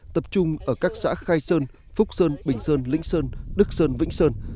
tập trung ở các xã khai sơn phúc sơn bình sơn lĩnh sơn đức sơn vĩnh sơn